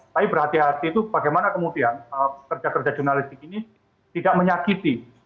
tapi berhati hati itu bagaimana kemudian kerja kerja jurnalistik ini tidak menyakiti